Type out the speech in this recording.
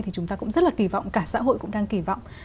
thì chúng ta cũng rất là kỳ vọng cả xã hội cũng đang kỳ vọng